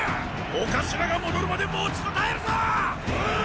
お頭が戻るまで持ちこたえるぞっ！